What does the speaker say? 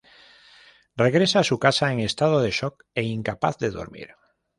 Regresa a su casa en estado de "shock" e incapaz de dormir.